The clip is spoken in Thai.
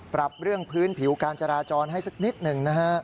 ปรับเรื่องพื้นผิวการจราจรให้สักนิดหนึ่งนะฮะ